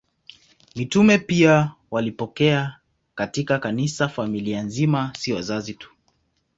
Mitume pia walipokea katika Kanisa familia nzima, si wazazi tu.